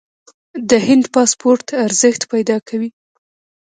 د هند پاسپورت ارزښت پیدا کوي.